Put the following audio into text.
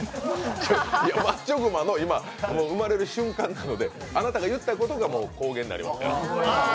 いや、マッチョ熊の生まれる瞬間なのであなたが言ったことがもう、公言になりますから。